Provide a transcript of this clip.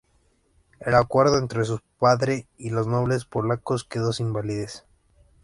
El acuerdo entre su padre y los nobles polacos quedó sin validez.